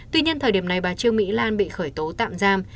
tuy nhiên thời điểm này bà trương mỹ lan bị khởi tố tạm giam